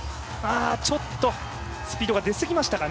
ちょっと、スピードが出過ぎましたかね。